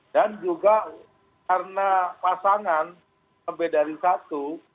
dan juga karena pasangan berbeda dari satu